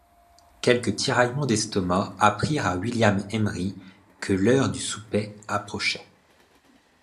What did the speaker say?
Quelques tiraillements d’estomac apprirent à William Emery que l’heure du souper approchait.